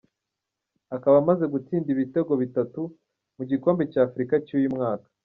Akaba amaze gutsinda ibitego bitatu mu gikombe cy’Afurika cy’uyu mwaka.